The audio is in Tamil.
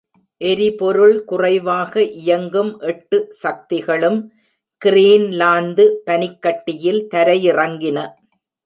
எரிபொருள் குறைவாக இயங்கும், எட்டு சக்திகளும் கிரீன்லாந்து பனிக்கட்டியில் தரையிறங்கின.